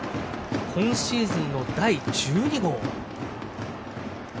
今シーズンの第１２号。